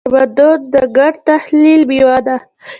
تمدن د ګډ تخیل میوه ده.